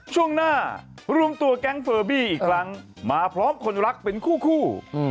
ช่วงหน้ารวมตัวแก๊งเฟอร์บี้อีกครั้งมาพร้อมคนรักเป็นคู่